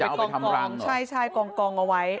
เอาไปทำรังเหรอใช่กองเอาไว้